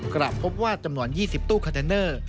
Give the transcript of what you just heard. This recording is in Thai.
กลับพบว่าจำนวน๒๐ตู้คอนเทนเนอร์